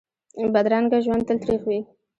بدرنګه ژوند تل تریخ وي